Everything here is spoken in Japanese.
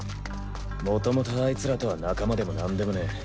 もともとアイツらとは仲間でもなんでもねえ。